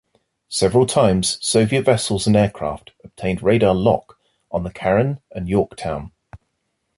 Several times, Soviet vessels and aircraft obtained radar "lock" on the "Caron" and "Yorktown".